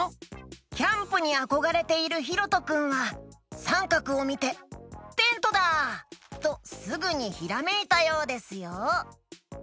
キャンプにあこがれているひろとくんはさんかくをみて「テントだ！」とすぐにひらめいたようですよ。